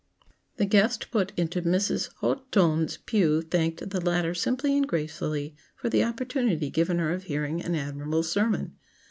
The guest put into Mrs. Haut Ton's pew thanked the latter simply and gracefully for the opportunity given her of hearing an admirable sermon.